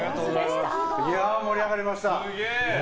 いやあ、盛り上がりました。